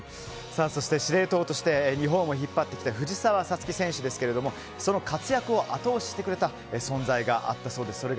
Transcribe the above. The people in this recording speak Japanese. そして、司令塔として日本を引っ張ってきた藤澤五月選手ですがその活躍を後押ししてくれた存在があったそうです。